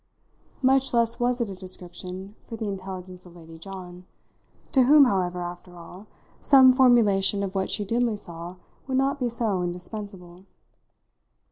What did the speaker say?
Much less was it a description for the intelligence of Lady John to whom, however, after all, some formulation of what she dimly saw would not be so indispensable.